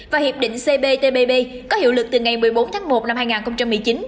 và hiệp định cptpp có hiệu lực từ ngày một mươi bốn tháng một năm hai nghìn một mươi chín